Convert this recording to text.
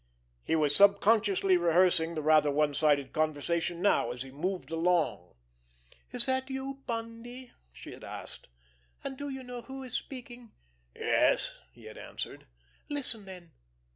He was subconsciously rehearsing the rather one sided conversation now, as he moved along. "Is that you, Bundy?" she had asked. "And do you know who is speaking?" "Yes," he had answered. "Listen, then!"